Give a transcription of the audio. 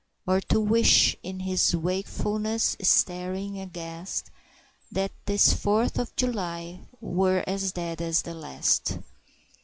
Or to wish, in his wakefulness, staring aghast, That this Fourth of July were as dead as the last!